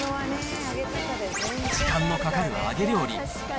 時間のかかる揚げ料理。